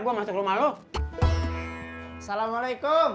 assalamualaikum assalamualaikum assalamualaikum assalamualaikum